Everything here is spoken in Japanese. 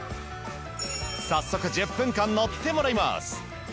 早速１０分間乗ってもらいます。